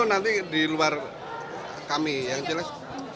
nanti di luar kami yang jelas